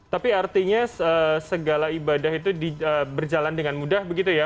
tapi artinya segala ibadah itu berjalan dengan mudah begitu ya